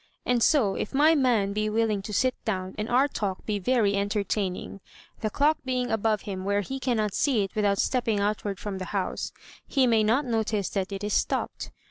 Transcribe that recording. And so, if my man be willing to sit down, and our talk be very entertaining, the clock being above him where he cannot see it without stepping outward from the house, he may not notice that it is stopped.